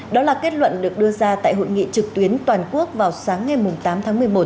đó là kết luận được đưa ra tại hội nghị trực tuyến toàn quốc vào sáng ngày tám tháng một mươi một